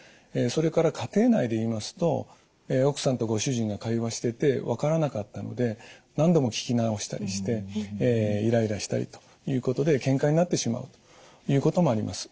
それから家庭内で言いますと奥さんとご主人が会話してて分からなかったので何度も聞き直したりしてイライラしたりということでけんかになってしまうということもあります。